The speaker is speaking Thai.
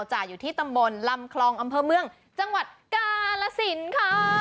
อยู่ที่ตำบลลำคลองอำเภอเมืองจังหวัดกาลสินค่ะ